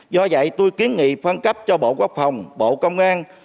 do vậy tôi kiến nghị phân cấp cho bộ quốc phòng bộ công an